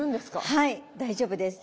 はい大丈夫です。